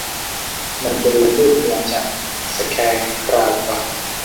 มันดูมืดมัวจัง สแคร์คราวกล่าว